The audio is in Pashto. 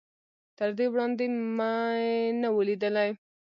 تر دې وړاندې مې نه و ليدلی.